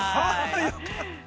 ◆よかった。